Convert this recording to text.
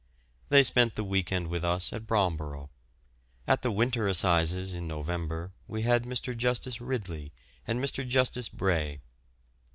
They spent the week end with us at Bromborough. At the Winter Assizes in November we had Mr. Justice Ridley and Mr. Justice Bray.